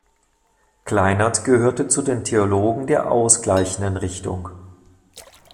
Kleinert gehörte zu den Theologen der ausgleichenden Richtung.